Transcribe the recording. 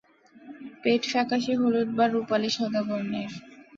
পেট ফ্যাকাসে-হলুদ বা রুপালি-সাদা বর্ণের।